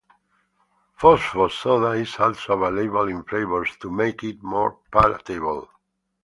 Phospho soda is also available in flavours to make it more palatable.